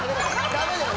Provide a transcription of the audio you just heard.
ダメだよ